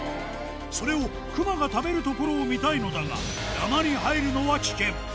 それを熊が食べるところを見たいのだが、山に入るのは危険。